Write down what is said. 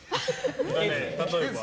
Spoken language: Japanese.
例えば？